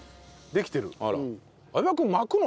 できてる。